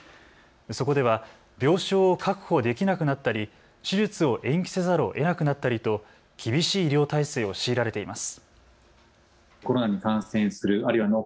そこでは病床を確保できなくなったり手術を延期せざるをえなくなったりと厳しい医療体制を強いられています。